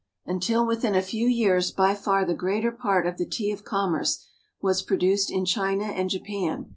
Until within a few years by far the greater part of the tea of commerce was produced in China and Japan.